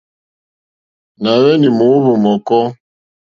Nà hweni mòohvò mɔ̀kɔ.